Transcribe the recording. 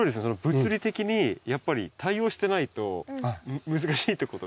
物理的にやっぱり対応してないと難しいってことなんですね。